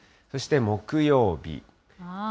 そして、木曜日。